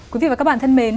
quý vị và các bạn thân mến